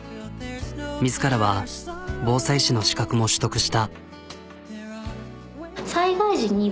自らは防災士の資格も取得した。